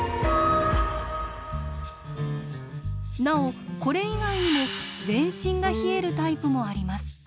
なおこれ以外にも全身が冷えるタイプもあります。